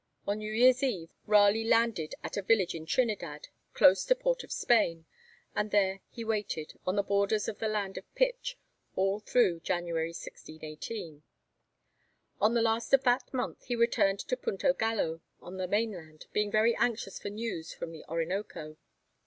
On New Year's Eve Raleigh landed at a village in Trinidad, close to Port of Spain, and there he waited, on the borders of the land of pitch, all through January 1618. On the last of that month he returned to Punto Gallo on the mainland, being very anxious for news from the Orinoco.